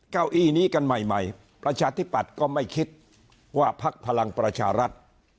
เก้าอี้นี้กันใหม่ประชาธิปัตย์ก็ไม่คิดว่าพักพลังประชารัฐ